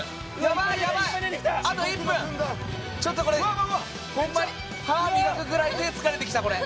ちょっとこれホンマに歯磨くぐらい手疲れてきたこれ。